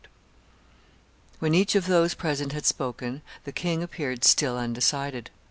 When each of those present had spoken, the king appeared still undecided.